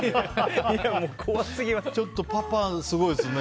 ちょっとパパ、すごいですね。